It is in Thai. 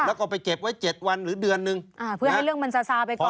แล้วก็ไปเก็บไว้เจ็ดวันหรือเดือนนึงอ่าเพื่อให้เรื่องมันซาซาไปก่อน